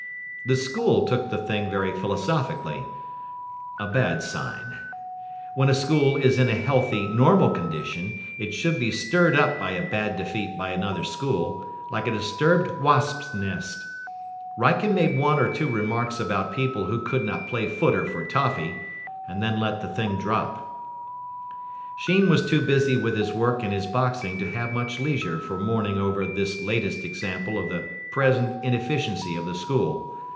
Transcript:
The school took the thing very philosophically a bad sign. When a school is in a healthy, normal condition, it should be stirred up by a bad defeat by another school, like a disturbed wasps' nest. Wrykyn made one or two remarks about people who could not play footer for toffee, and then let the thing drop. Sheen was too busy with his work and his boxing to have much leisure for mourning over this latest example of the present inefficiency of the school.